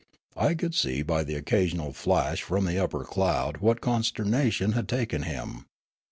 I could see by the occasional flash from the upper cloud what consternation had taken him.